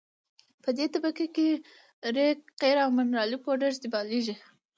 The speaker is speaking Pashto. په دې طبقه کې ریګ قیر او منرالي پوډر استعمالیږي